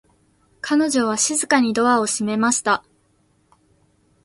彼女は静かにドアを閉めました。